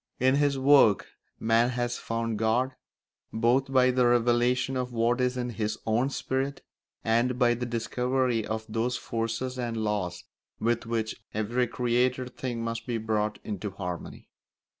In his work man has found God, both by the revelation of what is in his own spirit and by the discovery of those forces and laws with which every created thing must be brought into harmony.